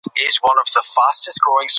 ایا ناتاشا د پییر په مینه باور درلود؟